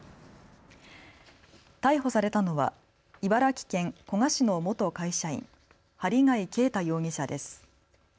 逮捕されたのは茨城県古河市の元会社員針谷啓太容疑者です。